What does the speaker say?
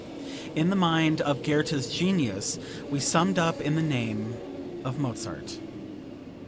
In the mind of Goethe genius was summed up in the name of Mozart.